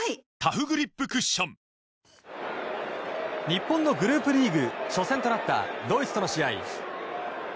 日本のグループリーグ初戦となったドイツとの試合。